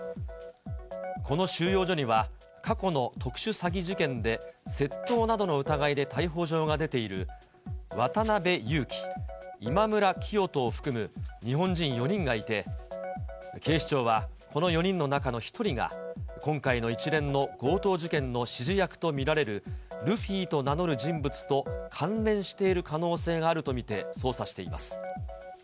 この収容所には、過去の特殊詐欺事件で窃盗などの疑いで逮捕状が出ているワタナベ・ユウキ、イマムラ・キヨトを含む、日本人４人がいて、警視庁はこの４人の中の１人が、今回の一連の強盗事件の指示役と見られるルフィと名乗る人物と関連している可能性があると見て捜査しています。